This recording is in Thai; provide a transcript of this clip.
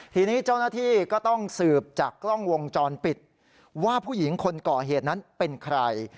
ทีนี้เจ้าหน้าที่ก็ต้องสืบจากกล้องวงจรปิดว่าผู้หญิงคนก่อเหตุนั้นเป็นใคร